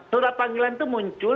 surat panggilan itu muncul